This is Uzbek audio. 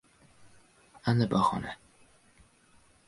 Ana bahona!